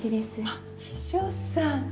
あっ秘書さん。